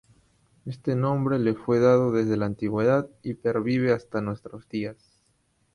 Este nombre le fue dado desde la antigüedad y pervive hasta nuestros días.